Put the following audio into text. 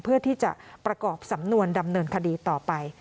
เพื่อที่จะประกอบสำนวนดำเนินคดีต่อไป